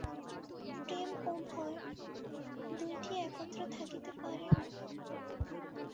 প্রেম ও ভয় দুইটি একত্র থাকিতে পারে না।